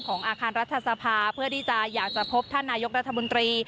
อาคารรัฐสภาเพื่อที่จะอยากจะพบท่านนายกรัฐมนตรี